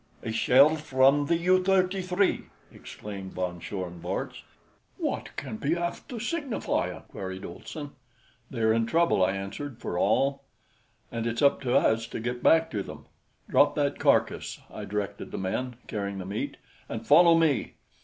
"A shell from the U 33!" exclaimed von Schoenvorts. "What can be after signifyin'?" queried Olson. "They are in trouble," I answered for all, "and it's up to us to get back to them. Drop that carcass," I directed the men carrying the meat, "and follow me!"